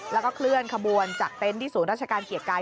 แล้วก็เคลื่อนขบวนจากเต็นต์ที่ศูนย์ราชการเกียรติกาย